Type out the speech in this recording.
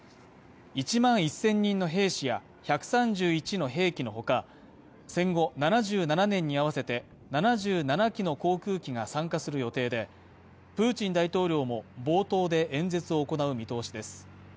１万１０００人の兵士や１３１の兵器のほか、戦後７７年に合わせて７７機の航空機が参加する予定で、プーチン大統領も冒頭で演説を行う見通しです。